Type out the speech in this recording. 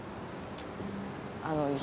あの。